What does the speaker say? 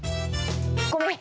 ごめん。